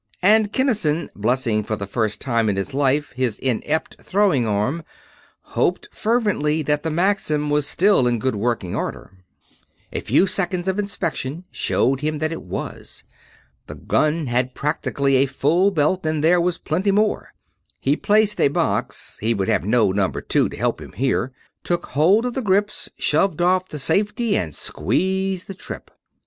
And Kinnison, blessing for the first time in his life his inept throwing arm, hoped fervently that the Maxim was still in good working order. A few seconds of inspection showed him that it was. The gun had practically a full belt and there was plenty more. He placed a box he would have no Number Two to help him here took hold of the grips, shoved off the safety, and squeezed the trip.